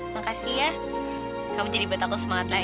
makasih ya kamu jadi buat aku semangat lagi